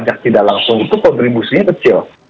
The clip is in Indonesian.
yang tidak langsung itu kontribusinya kecil